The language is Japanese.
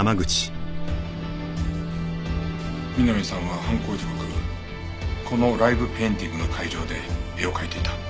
美波さんは犯行時刻このライブペインティングの会場で絵を描いていた。